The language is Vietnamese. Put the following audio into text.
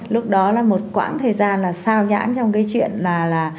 lúc đó là một quãng thời gian là sao nhãn trong cái chuyện là